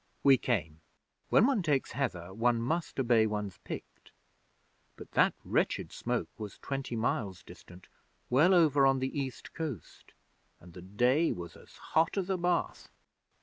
'We came. When one takes Heather, one must obey one's Pict but that wretched smoke was twenty miles distant, well over on the East coast, and the day was as hot as a bath.